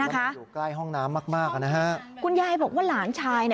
ใกล้ห้องน้ำมากคุณยายบอกว่าหลานชาย